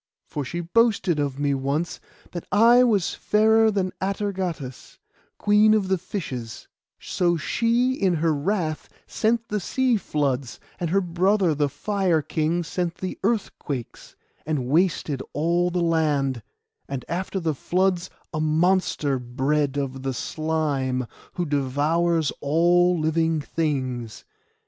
For she boasted of me once that I was fairer than Atergatis, Queen of the Fishes; so she in her wrath sent the sea floods, and her brother the Fire King sent the earthquakes, and wasted all the land, and after the floods a monster bred of the slime, who devours all living things.